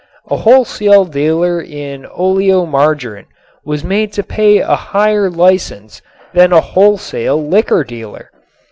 A wholesale dealer in oleomargarin was made to pay a higher license than a wholesale liquor dealer.